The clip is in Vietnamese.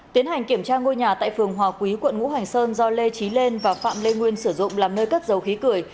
tiến hành kiểm tra ngôi nhà tại phường hòa quý quận ngũ hành sơn do lê trí lên và phạm lê nguyên sử dụng làm nơi cất dầu khí cười